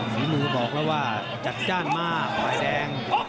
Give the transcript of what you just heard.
ฝีมือบอกแล้วว่าจัดจ้านมากฝ่ายแดง